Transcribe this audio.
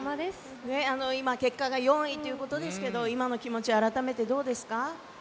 今、結果が４位ということですが今の気持ち改めてどうですか？